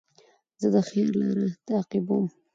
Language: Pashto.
زه د خیر لاره تعقیبوم.